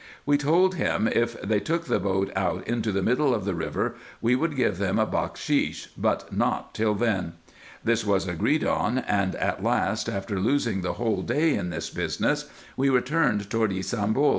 We told him, if they took the boat out into the middle of the river, we would give them a bakshis, but not till then. This was agreed on, IN EGYPT, NUBIA, &c. 205 and at last, after losing the whole day in this business, we returned toward Ybsambul.